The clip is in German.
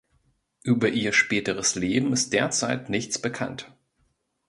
Über ihr späteres Leben ist derzeit nichts bekannt.